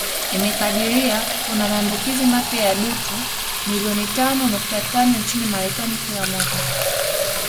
Imekadiria kuna maambukizi mapya ya dutu milioni tano nukta tano nchini Marekani kila mwaka